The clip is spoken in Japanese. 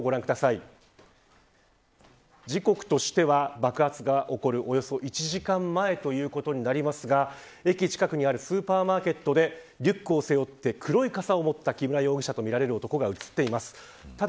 時刻としては爆発が起こるおよそ１時間前ということになりますが駅近くにあるスーパーマーケットでリュックを背負って黒い傘を持った木村容疑者とみられる男が映っています。